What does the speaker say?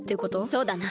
そうだな。